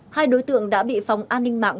hai đối tượng đã bị phòng an ninh mạng